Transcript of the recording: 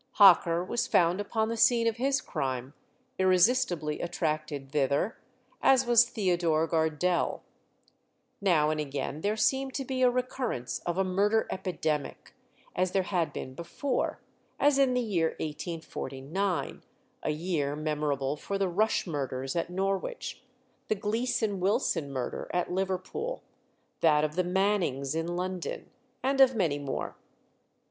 Hocker was found upon the scene of his crime, irresistibly attracted thither, as was Theodore Gardelle. Now and again there seemed to be a recurrence of a murder epidemic, as there had been before; as in the year 1849, a year memorable for the Rush murders at Norwich, the Gleeson Wilson murder at Liverpool, that of the Mannings in London, and of many more.